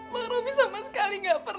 bang robi sama sekali gak pernah